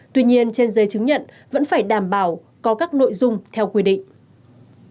tuy nhiên trên giấy chứng nhận vẫn phải đảm bảo có các nội dung theo quy định